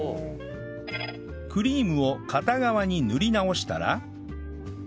クリームを片側に塗り直したら